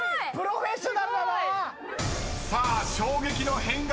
［さあ衝撃の変顔！］